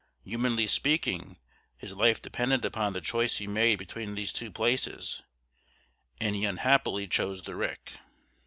Humanly speaking, his life depended upon the choice he made between these two places, and he unhappily chose the rick.